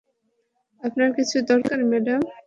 আপনার কিছু দরকার, ম্যাডাম?